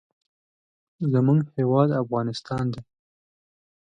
زموږ هیواد افغانستان دی.